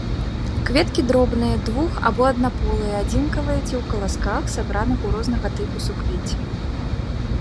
Кветкі дробныя, двух- або аднаполыя, адзінкавыя ці ў каласках, сабраных у рознага тыпу суквецці.